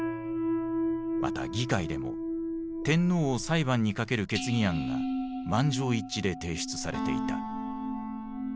また議会でも天皇を裁判にかける決議案が満場一致で提出されていた。